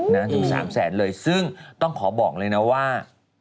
ถึง๓แสนเลยซึ่งต้องขอบอกเลยนะว่า